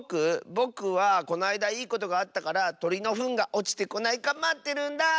ぼくはこないだいいことがあったからとりのふんがおちてこないかまってるんだ！